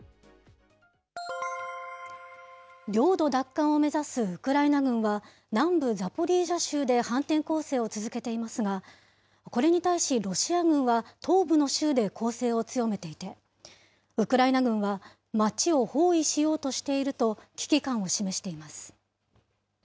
領土奪還を目指すウクライナ軍は、南部ザポリージャ州で反転攻勢を続けていますが、これに対し、ロシア軍は東部の州で攻勢を強めていて、ウクライナ軍は、街を包囲しようとしていると、危機感を示しています。